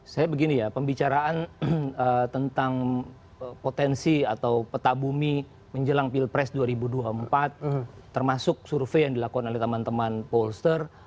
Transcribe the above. saya begini ya pembicaraan tentang potensi atau peta bumi menjelang pilpres dua ribu dua puluh empat termasuk survei yang dilakukan oleh teman teman pollster